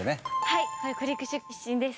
はい北陸出身です。